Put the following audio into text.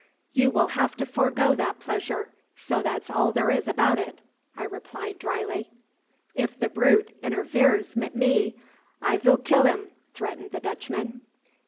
"You will have to forgo that pleasure, so that's all there is about it," I replied dryly. "If the brute interveres mit me, I vill kill 'im," threatened the Dutchman.